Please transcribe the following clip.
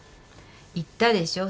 言ったでしょ。